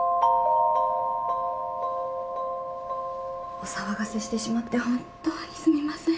お騒がせしてしまって本っ当にすみません。